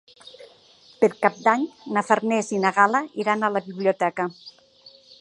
Per Cap d'Any na Farners i na Gal·la iran a la biblioteca.